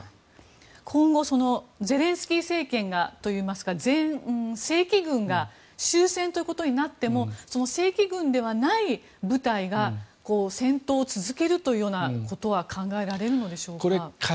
今後、ゼレンスキー政権といいますか正規軍が終戦ということになっても正規軍ではない部隊が戦闘を続けるというようなことは考えられるんでしょうか。